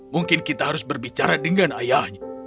mungkin kita harus berbicara dengan ayahnya